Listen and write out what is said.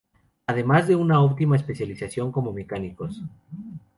Además de una óptima especialización como mecánicos.